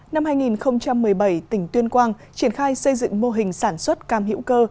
năm hai nghìn một mươi bảy tỉnh tuyên quang triển khai xây dựng mô hình sản xuất cam hữu cơ